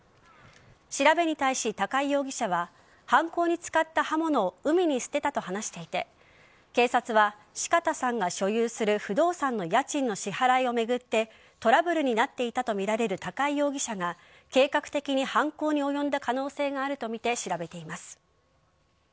調べに対し、高井容疑者は犯行に使った刃物を海に捨てたと話していて警察は四方さんが所有する不動産の家賃の支払いを巡ってトラブルになっていたとみられる高井容疑者が計画的に犯行に及んだ可能性があるとみて調べています。